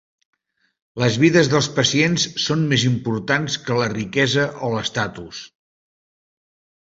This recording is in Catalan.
Les vides dels pacients són més importants que la riquesa o l'estatus.